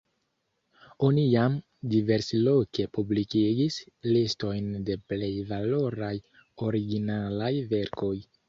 Oni jam diversloke publikigis listojn de plej valoraj originalaj verkoj.